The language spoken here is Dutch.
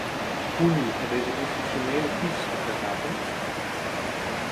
Hoe nu uit deze institutionele crisis te geraken?